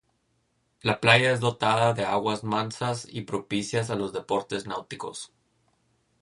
La playa es dotada de aguas mansas y propicias a los deportes náuticos.